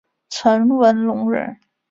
陈文龙人。